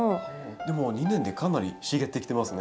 でも２年でかなり茂ってきてますね。